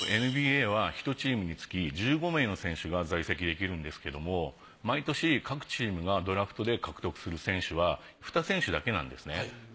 ＮＢＡは１チームにつき１５名の選手が在籍できるんですけども毎年各チームがドラフトで獲得する選手は２選手だけなんですね。